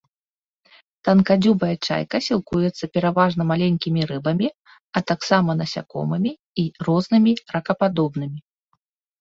Танкадзюбая чайка сілкуецца пераважна маленькімі рыбамі, а таксама насякомымі і рознымі ракападобнымі.